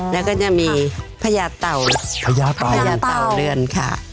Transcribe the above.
แล้วก็จะมีพญาเตาเรือนค่ะ